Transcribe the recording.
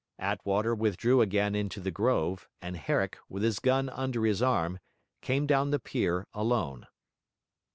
Attwater withdrew again into the grove, and Herrick, with his gun under his arm, came down the pier alone.